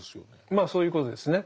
まあそういうことですね。